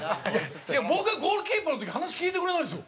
違う僕がゴールキーパーの時話聞いてくれないんですよ。